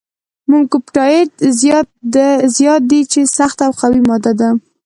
میوکوپپټایډ زیات دی چې سخته او قوي ماده ده.